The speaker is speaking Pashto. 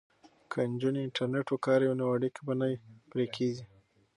که نجونې انټرنیټ وکاروي نو اړیکې به نه پرې کیږي.